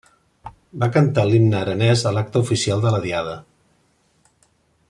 Va cantar l'himne aranès a l'acte oficial de la Diada.